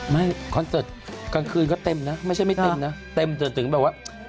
คอนเสิร์ตกลางคืนก็เต็มนะไม่ใช่ไม่เต็มนะเต็มจนถึงแบบว่า